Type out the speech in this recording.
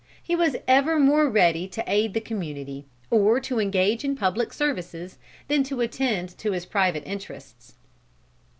He was ever more ready to aid the community, or to engage in public services, than to attend to his private interests."